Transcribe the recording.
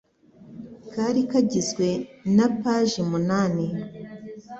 kari kagizwe na paji munani.